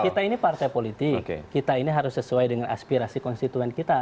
kita ini partai politik kita ini harus sesuai dengan aspirasi konstituen kita